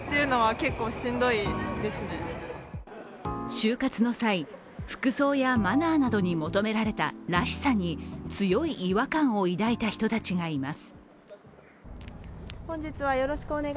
就活の際、服装やマナーなどに求められた「らしさ」に強い違和感を抱いた人たちがいます。